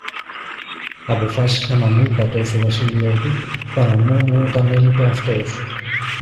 αποφάσισα να μην πατώ στο βασίλειο του, παρά μόνο όταν έλειπε αυτός